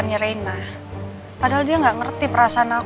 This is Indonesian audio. yaudah oke yuk